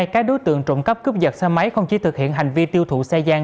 các đối tượng trộm cắp cướp giật xe máy không chỉ thực hiện hành vi tiêu thụ xe gian